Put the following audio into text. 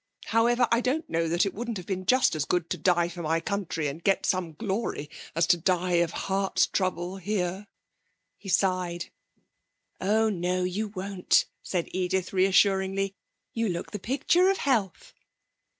However, I don't know that it wouldn't have been just as good to die for my country, and get some glory, as to die of heart trouble here.' He sighed. 'Oh no, you won't,' said Edith reassuringly; 'you look the picture of health.'